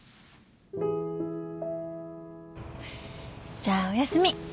じゃあおやすみ。